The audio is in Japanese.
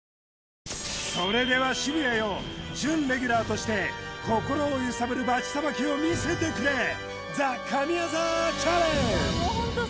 それでは渋谷よ準レギュラーとして心を揺さぶるバチさばきを見せてくれえっ？